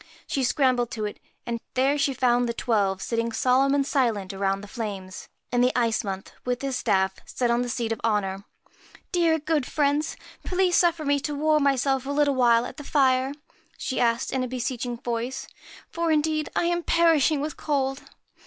She scrambled to it, and there she found the Twelve sitting solemn and silent around the flames, and the Ice Month, with his staff, sat still on the seat of honour. * Dear, good friends, please suffer me to warm myself a little while at the fire,' she asked in a beseeching voice; 'for, indeed, I am perishing with cold.'